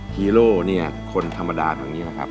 ฮีโรพนี้คนธรรมดาของนี้ล่ะครับ